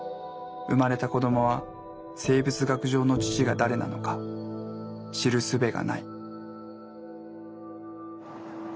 生まれた子どもは生物学上の父が誰なのか知るすべがない。